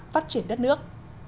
phát triển đất nước